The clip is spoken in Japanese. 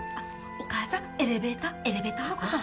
お母さんエレベーターエレベーターのことあ